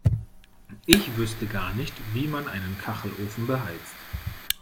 Ich wüsste gar nicht, wie man einen Kachelofen beheizt.